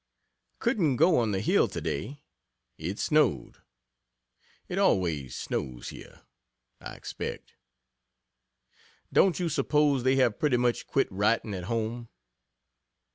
Couldn't go on the hill today. It snowed. It always snows here, I expect. Don't you suppose they have pretty much quit writing, at home?